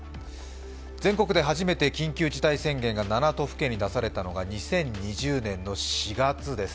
全国で初めて緊急事態宣言が７都府県に出されたのが２０２０年４月です。